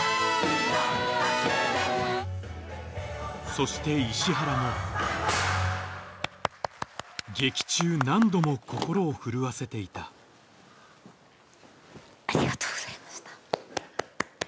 そして石原も劇中何度も心を振るわせていたありがとうございました。